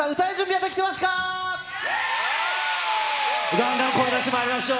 どんどん声出してまいりましょう。